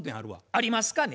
ありますかね？